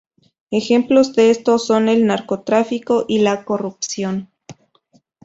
Ejemplos de esto son el narcotráfico y la corrupción.